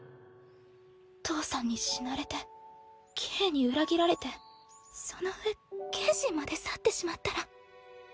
父さんに死なれて喜兵衛に裏切られてその上剣心まで去ってしまったら。